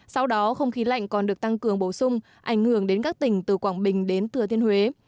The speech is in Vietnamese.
sau đó không khí lạnh còn được tăng cường bổ sung ảnh hưởng đến các tỉnh từ quảng bình đến thừa thiên huế